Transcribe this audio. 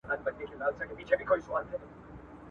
د مېله والو مستو زلمیو ..